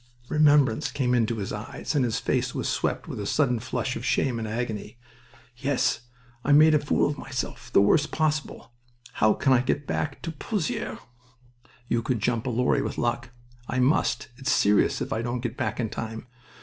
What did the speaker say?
Remembrance came into his eyes and his face was swept with a sudden flush of shame and agony. "Yes... I made a fool of myself. The worst possible. How can I get back to Pozieres?" "You could jump a lorry with luck." "I must. It's serious if I don't get back in time.